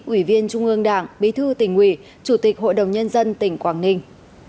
ủy viên trung ương đảng bí thư tỉnh ủy chủ tịch hội đồng nhân dân tỉnh quảng ninh